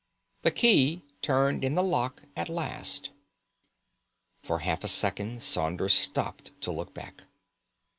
The key turned in the lock at last. For half a second Saunders stopped to look back.